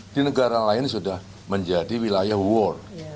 di negara lain sudah menjadi wilayah war